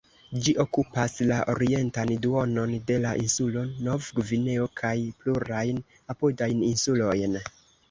Ĝi okupas la orientan duonon de la insulo Nov-Gvineo kaj plurajn apudajn insulojn.